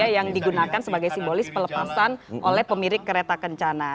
yang digunakan sebagai simbolis pelepasan oleh pemilik kereta kencana